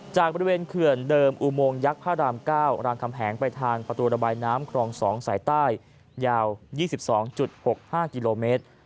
จากบริเวณเขื่อนเดิมอุโมงยักษ์พระราม๙รามคำแหงไปทางประตูระบายน้ำครอง๒สายใต้ยาว๒๒๖๕กิโลเมตร